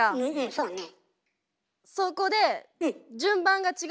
そうね。